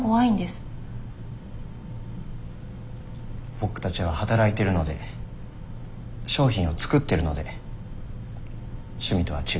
僕たちは働いてるので商品を作ってるので趣味とは違うので。